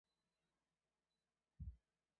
归国后任绥远都统公署秘书长。